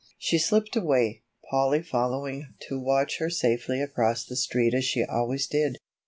She slipped away, Polly following to watch her safely across the street as she always did.